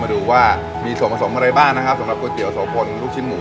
ดูว่ามีส่วนผสมอะไรบ้างนะครับสำหรับก๋วยเตี๋โสพลลูกชิ้นหมู